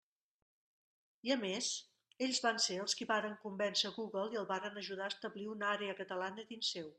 I, a més, ells van ser els qui varen convèncer Google i el varen ajudar a establir una àrea catalana dins seu.